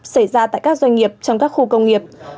xảy ra tại các doanh nghiệp trong các khu công nghiệp